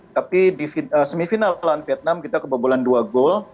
tapi di semifinal melawan vietnam kita kebobolan dua gol